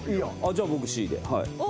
じゃあ僕Ｃで。